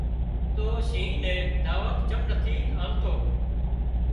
تُون شينهن نين دعوت چم نٿي آلتو